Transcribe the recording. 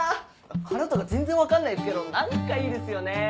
花とか全然分かんないですけど何かいいですよね！